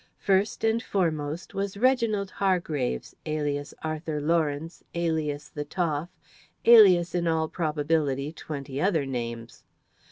First and foremost was Reginald Hargraves, alias Arthur Lawrence, alias "The Toff," alias, in all probability, twenty other names.